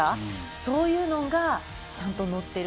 そういうのがちゃんと乗っている。